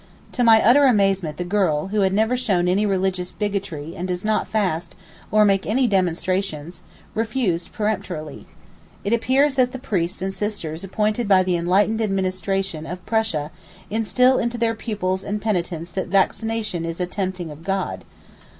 To my utter amazement the girl, who had never shown any religious bigotry, and does not fast, or make any demonstrations, refused peremptorily. It appears that the priests and sisters appointed by the enlightened administration of Prussia instil into their pupils and penitents that vaccination is a 'tempting of God.